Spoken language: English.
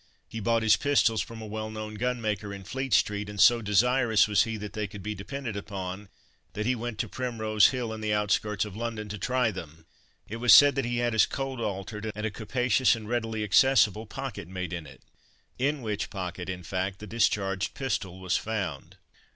He bought his pistols from a well known gunmaker in Fleet street, and so desirous was he that they could be depended upon, that he went to Primrose Hill, in the outskirts of London, to try them. It was said that he had his coat altered, and a capacious and readily accessible pocket made in it; in which pocket, in fact, the discharged pistol was found.